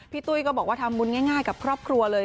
ตุ้ยก็บอกว่าทำบุญง่ายกับครอบครัวเลย